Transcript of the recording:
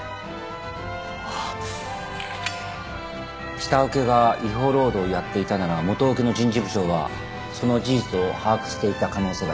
下請けが違法労働をやっていたなら元請けの人事部長はその事実を把握していた可能性が高い。